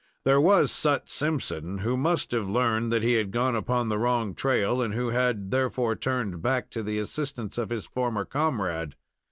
There was Sut Simpson, who must have learned that he had gone upon the wrong trail, and who had, therefore, turned back to the assistance of his former comrade.